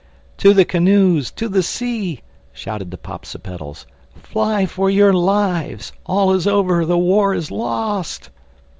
"To the canoes!—To the sea!" shouted the Popsipetels. "Fly for your lives!—All is over!—The war is lost!"